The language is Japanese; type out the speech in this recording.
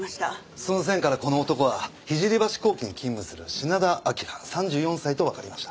その線からこの男は聖橋工機に勤務する品田彰３４歳とわかりました。